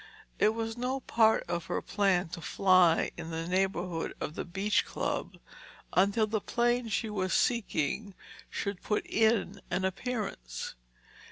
It was no part of her plan to fly in the neighborhood of the Beach Club until the plane she was seeking should put in an appearance.